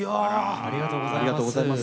ありがとうございます。